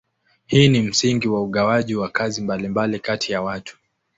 Hii ni msingi wa ugawaji wa kazi mbalimbali kati ya watu.